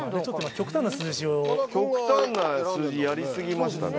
極端な数字やり過ぎましたね。